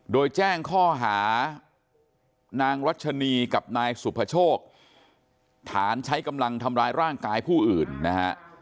โดยแจ้งข้อหานางรัชนีกับนายสุภโชคฐานใช้กำลังทำร้ายร่างกายผู้อื่นนะฮะ